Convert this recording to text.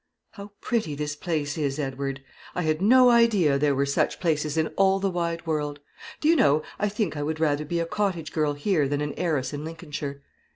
"How pretty this place is, Edward!" she said. "I had no idea there were such places in all the wide world. Do you know, I think I would rather be a cottage girl here than an heiress in Lincolnshire.